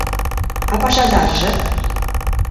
А пашадарже?